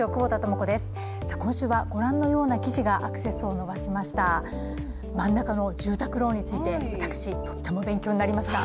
今週はご覧のような記事がアクセスをのばしました。